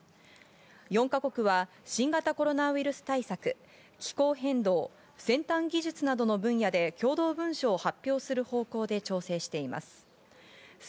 ４か国は新型コロナウイルス対策、気候変動、先端技術などの分野で共同文書を発表する方向で調整しています。